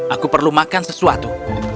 aku perlu makan sesuatu